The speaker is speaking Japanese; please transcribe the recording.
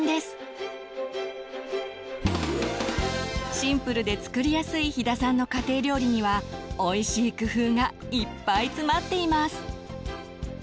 シンプルで作りやすい飛田さんの家庭料理にはおいしい工夫がいっぱい詰まっています。